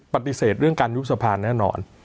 ปฏิเสธเรื่องการยุบสภาแน่นอน